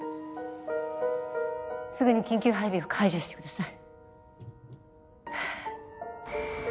すぐに緊急配備を解除してください。